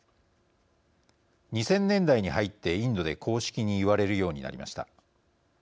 ２０００年代に入ってインドで公式に言われるようになりました。